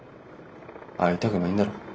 会いたくないんだろう。